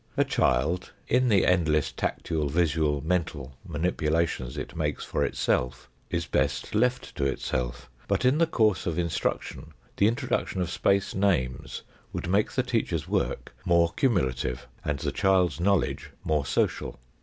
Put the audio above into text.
A child, in the endless tactual, visual, mental manipulations it makes for itself, is best left to itself, but in the course of instruction the introduction of space names would make the teachers work more cumulative, and the child's knowledge more social.